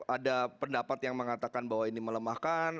ada pendapat yang mengatakan bahwa ini melemahkan